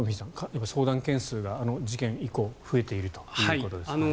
今、相談件数があの事件以降増えているということですが。